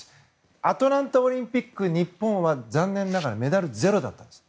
アトランタオリンピック日本は残念ながらメダル、ゼロだったんです。